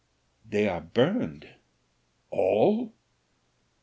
"They are burned." "All?